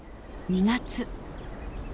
２月。